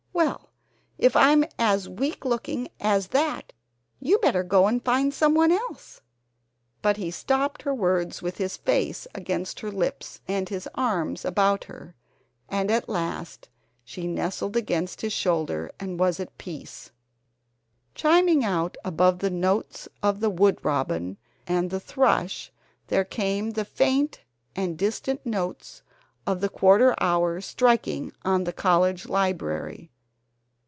Well, if I'm as weak looking as that you better go and find someone else " But he stopped her words with his face against her lips, and his arms about her, and at last she nestled against his shoulder and was at peace. Chiming out above the notes of the wood robin and the thrush there came the faint and distant notes of the quarter hour striking on the college library.